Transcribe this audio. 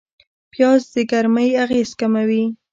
پیاز د ګرمۍ اغېز کموي